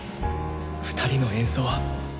２人の演奏。